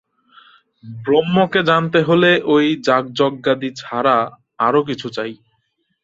ব্রহ্মকে জানতে হলে ঐ যাগযজ্ঞাদি ছাড়া আরও কিছু চাই।